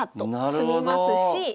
詰みますし。